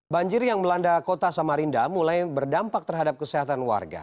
banjir yang melanda kota samarinda mulai berdampak terhadap kesehatan warga